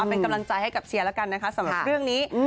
เป็นกำลังใจให้กับเชียร์แล้วกันนะคะสำหรับเรื่องนี้